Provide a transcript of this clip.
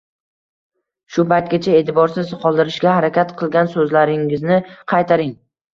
shu paytgacha e’tiborsiz qoldirishga harakat qilgan so‘zlaringizni qaytaring.